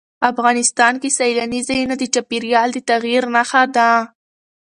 افغانستان کې سیلاني ځایونه د چاپېریال د تغیر نښه ده.